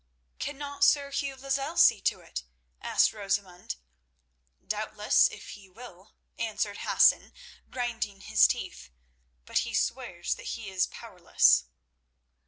"Cannot Sir Hugh Lozelle see to it?" asked Rosamund. "Doubtless, if he will," answered Hassan, grinding his teeth; "but he swears that he is powerless."